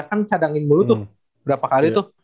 kan cadangin dulu tuh